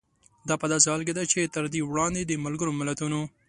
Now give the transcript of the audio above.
دا په داسې حال کې ده چې تر دې وړاندې د ملګرو ملتونو